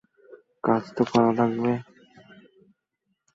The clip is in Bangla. কাজ তো করা লাগবে।